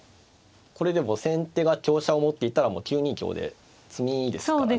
これで先手が香車を持っていたら９二香で詰みですからね。